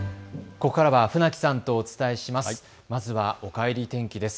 ここからは船木さんとお伝えします。